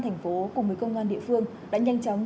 thành phố cùng với công an địa phương đã nhanh chóng